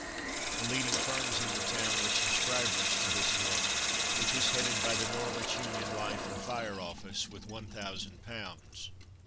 The leading firms in the town were subscribers to this loan, which was headed by the Norwich Union Life and Fire Office with 1000 pounds.